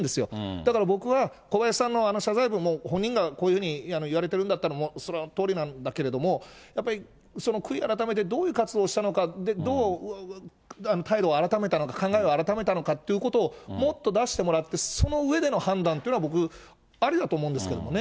だから、僕は小林さんの謝罪文も、本人がこういうふうに言われてるんだったら、もうそのとおりなんだけども、悔い改めて、どういう活動をしたのか、どう態度を改めたのか、考えを改めたのかっていうことを、もっと出してもらって、その上での判断というのは、僕、ありだと思うんですけどね。